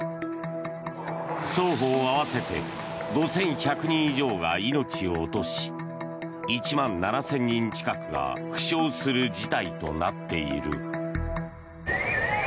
双方合わせて５１００人以上が命を落とし１万７０００人近くが負傷する事態となっている。